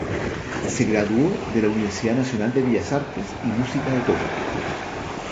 Se graduó de la Universidad Nacional de Bellas Artes y Música de Tokio.